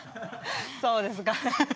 そうですかね。